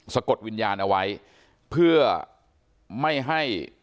กดวิญญาณเอาไว้เพื่อไม่ให้